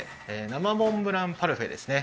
生モンブランパルフェですね。